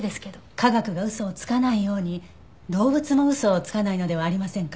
科学が嘘をつかないように動物も嘘をつかないのではありませんか？